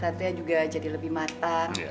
tentunya juga jadi lebih matang